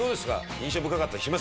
印象深かった。